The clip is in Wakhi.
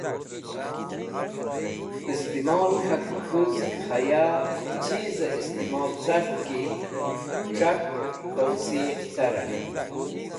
Istimol k̃hakẽkũzgẽs̃h haya chizẽ istimol cart ki c̃hak towsiq carẽn.